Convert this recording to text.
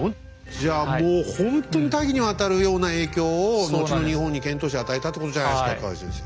じゃあもうほんとに多岐にわたるような影響を後の日本に遣唐使与えたってことじゃないですか河合先生。